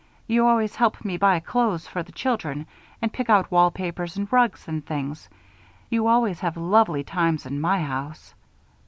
You always help me buy clothes for the children and pick out wallpapers and rugs and things. You always have lovely times in my house."